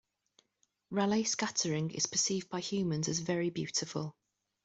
Raleigh scattering is perceived by humans as very beautiful.